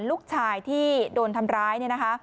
ลูกชายที่โดนทำร้าย